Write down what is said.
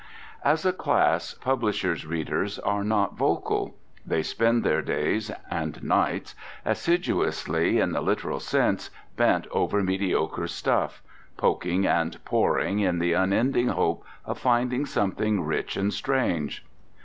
As a class, publishers' readers are not vocal. They spend their days and nights assiduously (in the literal sense) bent over mediocre stuff, poking and poring in the unending hope of finding something rich and strange.